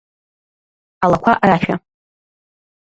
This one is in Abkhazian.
Алақәа рашәа …